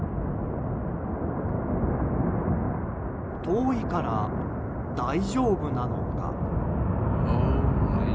遠いから大丈夫なのか？